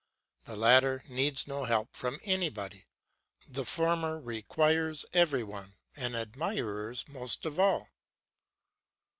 The latter needs no help from anybody; the former requires every one, and admirers most of all.